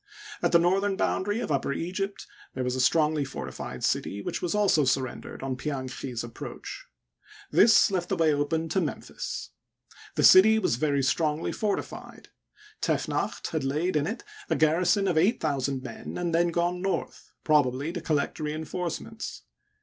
At the northern boundary of Upper Egypt there was a strongly fortified city which was also surrendered on Pianchi's approach. This left the way open to Memphis. The city was very strongly fortified ; Tefnacht had laid in it a garrison of eight thousand men, and then gone north, probably to collect re enforcements.